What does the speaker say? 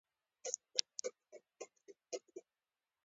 که انسان صبر ولري، نو ستونزې به اسانه شي.